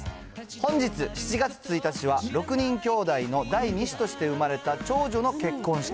本日７月１日は、６人きょうだいの第２子として生まれた長女の結婚式。